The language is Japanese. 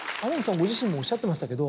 ご自身もおっしゃってましたけど。